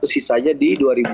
sisanya di dua ribu dua puluh